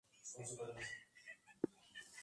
Fue declarado Monumento Nacional con Resolución No.